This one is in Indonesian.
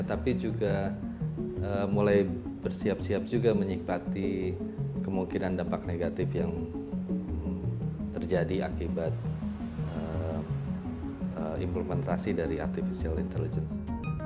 tapi juga mulai bersiap siap juga menyikmati kemungkinan dampak negatif yang terjadi akibat implementasi dari artificial intelligence